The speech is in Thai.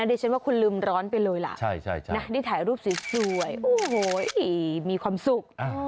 ดิฉันว่าคุณลืมร้อนไปเลยล่ะได้ถ่ายรูปสวยโอ้โหมีความสุข